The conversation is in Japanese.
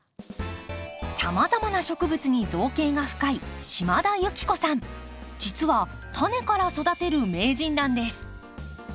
さまざまな植物に造詣が深い実はタネから育てる名人なんです。